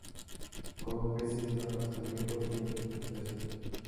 Come peces, gambas, cangrejos y otros crustáceos.